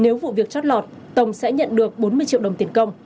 nếu vụ việc chót lọt tổng sẽ nhận được bốn mươi triệu đồng tiền công